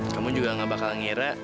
kamu juga gak bakal ngira